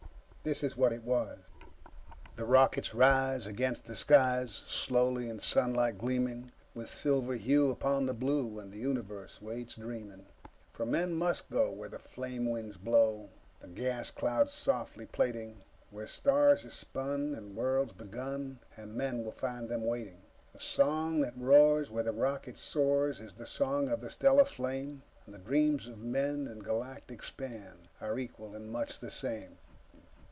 This is what it was: "_The rockets rise against the skies, Slowly; in sunlight gleaming With silver hue upon the blue. And the universe waits, dreaming._ "_For men must go where the flame winds blow, The gas clouds softly plaiting; Where stars are spun and worlds begun, And men will find them waiting._ "_The song that roars where the rocket soars Is the song of the stellar flame; The dreams of Man and galactic span Are equal and much the same.